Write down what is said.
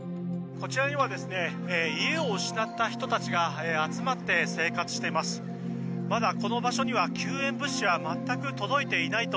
こちらには家を失った人たちが集まって生活しています。